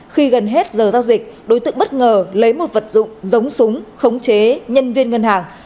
khi gần hết giờ giao dịch đối tượng bất ngờ lấy một vật dụng giống súng khống chế nhân viên ngân hàng